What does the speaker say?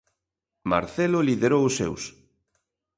Marcelo liderou os seus.